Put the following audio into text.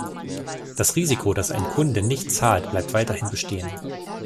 Das Risiko, dass ein Kunde nicht zahlt, bleibt weiterhin bestehen.